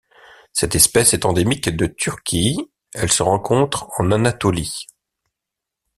Cette espèce est endémique de Turquie, elle se rencontre en Anatolie.